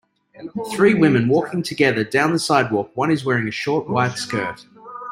Three women walking together down the sidewalk, one is wearing a short white skirt.